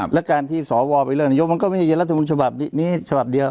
และการที่สวไปเลือกนายกมันก็ไม่ใช่รัฐมนต์ฉบับนี้ฉบับเดียว